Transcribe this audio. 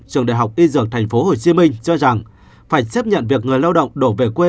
trường đại học y dưỡng tp hcm cho rằng phải xếp nhận việc người lao động đổ về quê